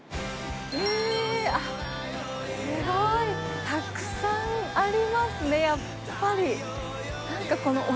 へぇあっすごいたくさんありますねやっぱり。